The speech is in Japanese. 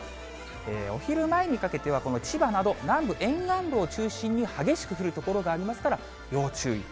お昼前にかけては、千葉など南部、沿岸部を中心に激しく降る所がありますから、要注意。